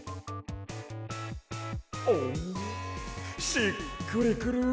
おしっくりくる。